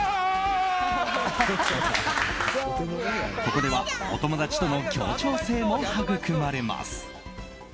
ここでは、お友達との協調性も育まれます。